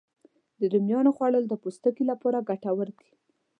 د رومیانو خوړل د پوستکي لپاره ګټور دي